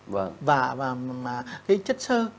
và cái chất sơ